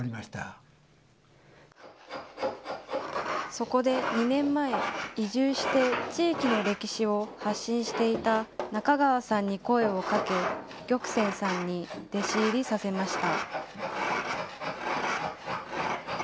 そこで２年前、移住して地域の歴史を発信していた中川さんに声をかけ、玉泉さんに弟子入りさせました。